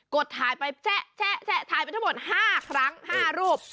ดถ่ายไปแชะถ่ายไปทั้งหมด๕ครั้ง๕รูป